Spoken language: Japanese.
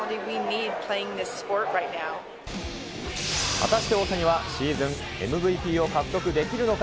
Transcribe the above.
果たして大谷はシーズンＭＶＰを獲得できるのか。